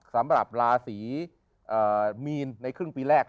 สำหรับราศีมีนในครึ่งปีแรก